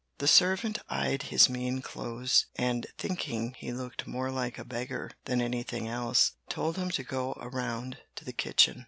The servant eyed his mean clothes, and thinking he looked more like a beggar than anything else, told him to go around to the kitchen.